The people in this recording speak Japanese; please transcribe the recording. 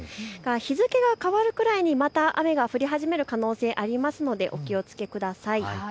日付が変わるくらいにまた雨が降り始める可能性がありますのでお気をつけください。